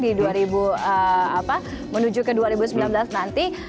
di dua ribu apa menuju ke dua ribu sembilan belas nanti